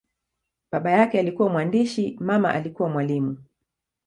Baba yake alikuwa mwandishi, mama alikuwa mwalimu.